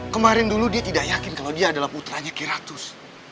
kemarin dulu dia tidak yakin kalau dia adalah putranya kiratus